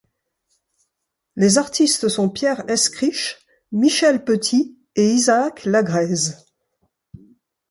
Les artistes sont Pierre Eskrich, Michel Petit et Isaac La Grese.